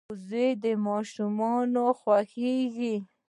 وزې د ماشومانو خوښېږي